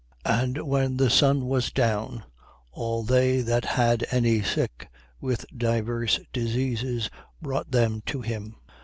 4:40. And when the sun was down, all they that had any sick with divers diseases brought them to him.